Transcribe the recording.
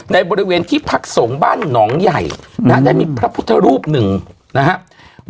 ในบริเวณที่พักสงฆ์บ้านหนองใหญ่นะฮะได้มีพระพุทธรูปหนึ่งนะครับ